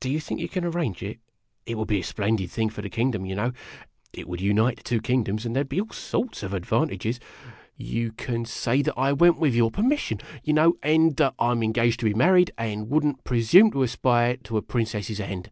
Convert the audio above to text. Do you think you can arrange it? It would be a splendid thing for the kingdom, you know. It would unite the two kino doms, and there 'd be all sorts of advantages. o o You can say that I went with your permission, you know, and that THE PRINCE S COUNCILORS H5 I 'm engaged to be married, and would n't presume to aspire to a princess's hand."